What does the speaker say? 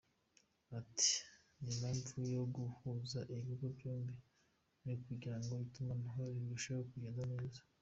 Ati “Impamvu yo guhuza ibigo byombi ni ukugira ngo itumanaho rirusheho kugenda neza.